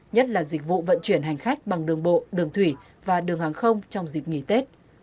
nhất là dịch vụ vận chuyển hành khách bằng đường bộ đường thủy và đường hàng không trong dịp nghỉ tết